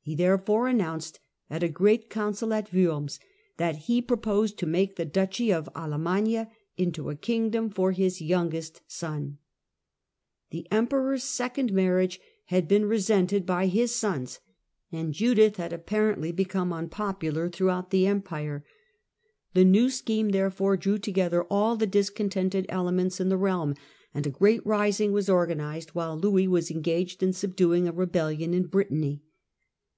He therefore announced, at a great council at Worms, that he proposed to make the Duchy of Alemannia into a kingdom for his youngest son. The Emperor's second marriage had been resented by his sons, and Judith had apparently become unpopular THE REIGN OF LOUIS THE PIOUS 209 throughout the Empire. The new scheme therefore drew together all the discontented elements in the realm, and a great rising was organised while Louis was engaged in subduing a rebellion in Brittany.